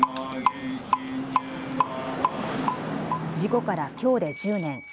事故からきょうで１０年。